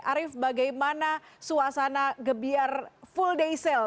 arief bagaimana suasana gebiar full day sale